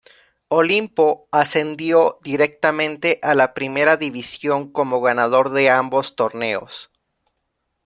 Olimpo ascendió directamente a la Primera División como ganador de ambos torneos.